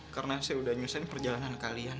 karena saya udah nyusahin perjalanan kalian